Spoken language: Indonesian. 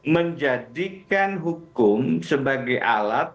menjadikan hukum sebagai alat